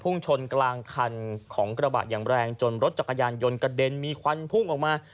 ชนกลางคันของกระบะอย่างแรงจนรถจักรยานยนต์กระเด็นมีควันพุ่งออกมา